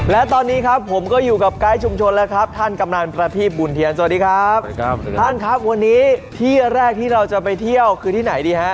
และตอนนี้ครับผมก็อยู่กับไกด์ชุมชนแล้วครับท่านกำนันประทีบบุญเทียนสวัสดีครับท่านครับวันนี้ที่แรกที่เราจะไปเที่ยวคือที่ไหนดีฮะ